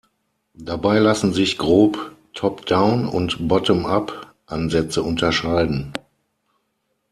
Dabei lassen sich grob "Top-Down"- und "Bottom-Up"-Ansätze unterscheiden.